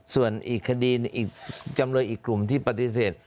ส่วนอีกคดีอีกจำเลยอีกกลุ่มที่ปฏิเสธ